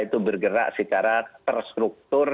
itu bergerak secara terstruktur